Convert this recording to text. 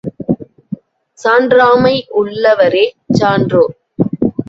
சான்றாண்மை உள்ளவரே சான்றோர்.